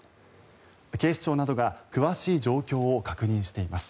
警視庁などが詳しい状況を確認しています。